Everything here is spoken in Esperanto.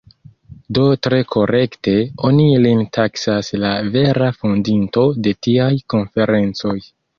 Do tre korekte oni lin taksas la vera fondinto de tiaj konferencoj.